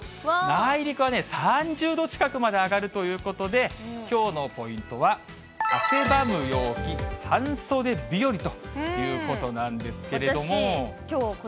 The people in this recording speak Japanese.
内陸はね、３０度近くまで上がるということで、きょうのポイントは、汗ばむ陽気、半袖日和ということなんですけれども。